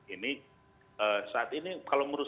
ini saat ini kalau menurut